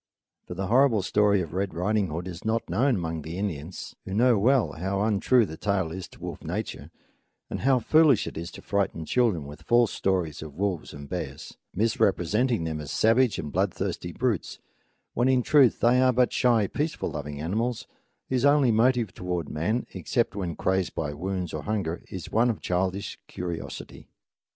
For the horrible story of Red Riding Hood is not known among the Indians, who know well how untrue the tale is to wolf nature, and how foolish it is to frighten children with false stories of wolves and bears, misrepresenting them as savage and bloodthirsty brutes, when in truth they are but shy, peace loving animals, whose only motive toward man, except when crazed by wounds or hunger, is one of childish curiosity.